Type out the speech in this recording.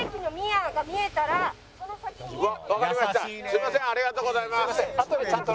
すいません。